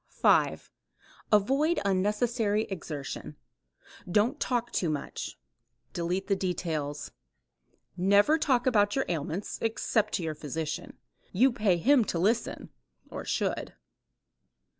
5. Avoid unnecessary exertion. Don't talk too much. Delete the details. Never talk about your ailments except to your physician. You pay him to listen (or should).